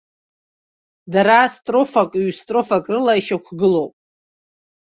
Дара строфак, ҩ-строфак рыла ишьақәгылоуп.